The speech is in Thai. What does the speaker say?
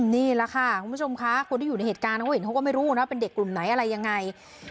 นี่แหละค่ะคุณผู้ชมคะคนที่อยู่ในเหตุการณ์เขาก็เห็นเขาก็ไม่รู้นะเป็นเด็กกลุ่มไหนอะไรยังไง